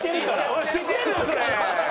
俺知ってるよそれ。